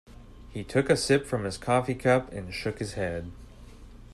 He took a sip from his coffee cup and shook his head.